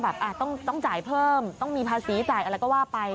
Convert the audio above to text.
แบบต้องจ่ายเพิ่มต้องมีภาษีจ่ายอะไรก็ว่าไป